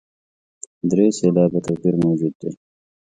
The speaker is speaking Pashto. درې سېلابه توپیر موجود دی.